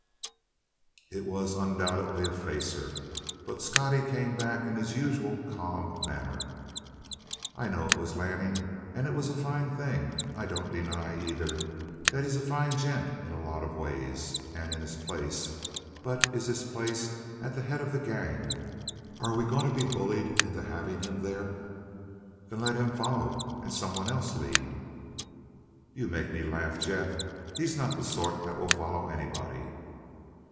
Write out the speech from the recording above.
It was undoubtedly a facer; but Scottie came back in his usual calm manner. "I know it was Lanning, and it was a fine thing. I don't deny, either, that he's a fine gent in lots of ways and in his place but is his place at the head of the gang? Are we going to be bullied into having him there?" "Then let him follow, and somebody else lead." "You make me laugh, Jeff. He's not the sort that will follow anybody."